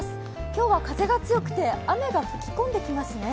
今日は風が強くて雨が吹き込んできますね。